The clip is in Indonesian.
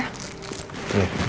kamu siap siap ya